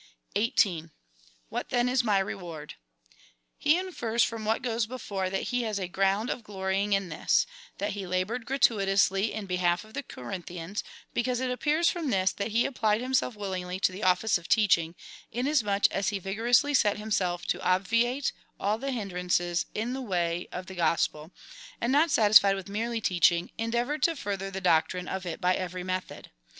18. What then is my reward ? He infers from what goes before, that he has a ground of glorying in this, that he laboured gratuitously in behalf of the Corinthians, because it appears from this, that he applied himself willingly to the office of teaching, inasmuch as he vigorously set himself to obviate all the hinderances in the way of the gospel; and not satisfied with merely teaching, endeavoured to further the doctrine of it by every method.